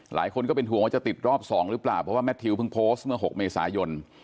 หลายคนก็เป็นห่วงว่าจะติดรอบ๒หรือเปล่าเพราะว่าแมททิวเพิ่งโพสต์เมื่อ๖เมษายน